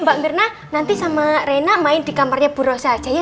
mbak mirna nanti sama rena main di kamarnya bu rosa aja ya